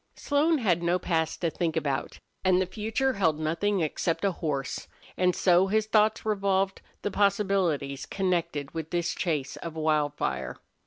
Slone had no past to think about, and the future held nothing except a horse, and so his thoughts revolved the possibilities connected with this chase of Wildfire.